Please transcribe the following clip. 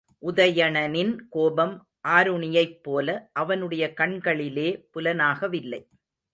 உதயணனின் கோபம் ஆருணியைப்போல அவனுடைய கண்களிலே புலனாகவில்லை.